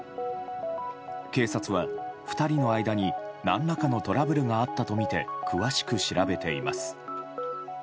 警察は、２人の間に何らかのトラブルがあったとみて詳しく調べています。